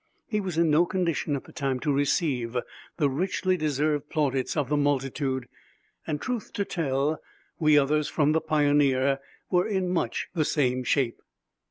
He was in no condition at the time to receive the richly deserved plaudits of the multitude, and, truth to tell, we others from the Pioneer were in much the same shape.